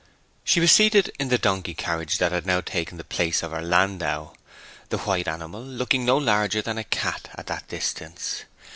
She was seated in the donkey carriage that had now taken the place of her landau, the white animal looking no larger than a cat at that distance.